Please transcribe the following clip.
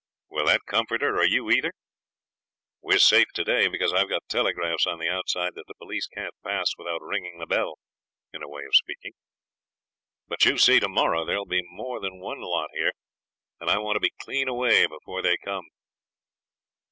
Will that comfort her, or you either? We're safe today because I've got telegraphs on the outside that the police can't pass without ringing the bell in a way of speaking. But you see to morrow there'll be more than one lot here, and I want to be clean away before they come.'